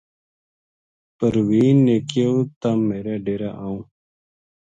پروین نے کہیو:”تم میرے ڈیرے آؤں